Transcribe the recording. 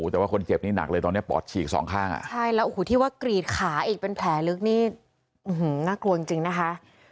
แต่ว่าคนเจ็บนี่หนักเลยตอนนี้ปอดฉีกสองข้างอ่ะใช่แล้วโอ้โหที่ว่ากรีดขาอีกเป็นแผลลึกนี่น่ากลัวจริงจริงนะคะ